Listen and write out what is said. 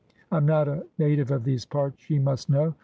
I'm not a native of these parts, ye must know.